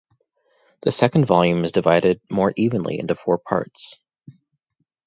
The second volume is divided more evenly into four parts.